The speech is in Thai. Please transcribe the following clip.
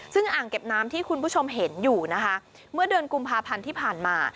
ซึ่งอ่างเก็บน้ำที่คุณผู้ชมเห็นอยู่นะคะเมื่อเดือนกุมภาพันธ์ที่ผ่านมา